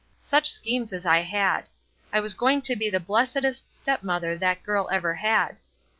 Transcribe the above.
Such schemed as I had! I was going to be the blessedest step mother that girl ever had.